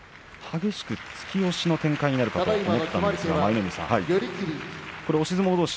激しく突き押しの展開になるかと思ったんですが舞の海さん、押し相撲どうし